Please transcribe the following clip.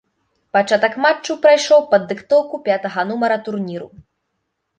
Пачатак матчу прайшоў пад дыктоўку пятага нумара турніру.